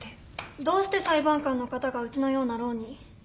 どうして裁判官の方がうちのようなローに？